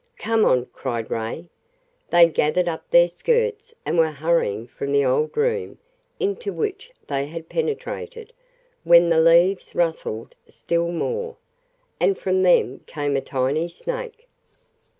"Come on!" cried Ray. They gathered up their skirts and were hurrying from the old room into which they had penetrated when the leaves rustled still more, and from them came a tiny snake.